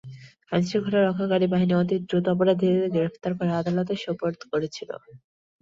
আইনশৃঙ্খলা রক্ষাকারী বাহিনী অতি দ্রুত অপরাধীদের গ্রেপ্তার করে আদালতে সোপর্দ করেছিল।